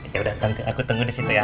ya udah aku tunggu di situ ya